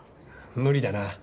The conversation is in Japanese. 無理だな。